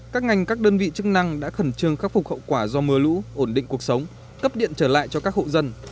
các ngành các đơn vị chức năng đã khẩn trương khắc phục hậu quả do mưa lũ ổn định cuộc sống cấp điện trở lại cho các hộ dân